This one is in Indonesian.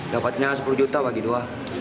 dapatnya sepuluh juta bagi dua